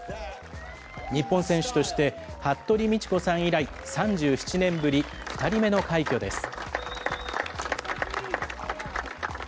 日本選手として服部道子さん以来、３７年ぶり、２人目の快挙です。